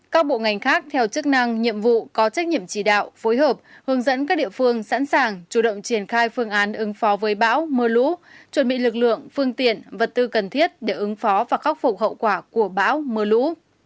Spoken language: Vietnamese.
các bộ ngành khác theo chức năng nhiệm vụ có trách nhiệm chỉ đạo phối hợp hướng dẫn các địa phương sẵn sàng chủ động triển khai phương án ứng phó với bão mưa lũ chuẩn bị lực lượng phương tiện vật tư cần thiết để ứng phó và khắc phục hậu quả của bão mưa lũ